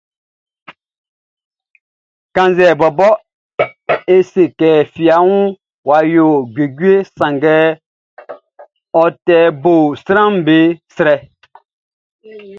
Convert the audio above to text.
Kannzɛ bɔbɔ e se kɛ fiafuɛʼn wʼa yo juejueʼn, sanngɛ ɔ te bo sranʼm be srɛ.